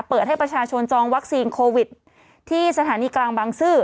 เปิดให้ประชาชนจองวัคซีนโควิดที่สถานีกลางบางซื่อ